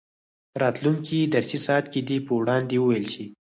په راتلونکي درسي ساعت کې دې په وړاندې وویل شي.